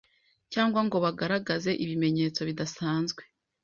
cyangwa ngo bagaragaze ibimenyetso bidasanzwe,